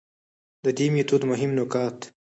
د دې ميتود مهم نقاط: